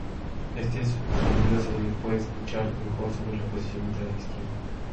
Este sonido se puede escuchar mejor sobre la posición lateral izquierda.